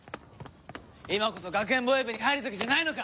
今こそ学園防衛部に入る時じゃないのか？